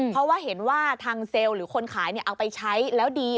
เพราะว่าเห็นว่าทางเซลล์หรือคนขายเอาไปใช้แล้วดี